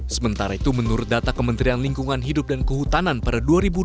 sementara itu menurut data kementerian lingkungan hidup dan kehutanan pada dua ribu dua puluh